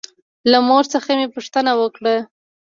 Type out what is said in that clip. له مور څخه مې پوښتنه وکړه.